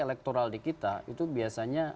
elektoral di kita itu biasanya